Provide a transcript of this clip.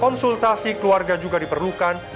konsultasi keluarga juga diperlukan